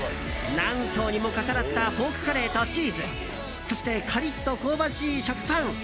何層にも重なったポークカレーとチーズそしてカリッと香ばしい食パン。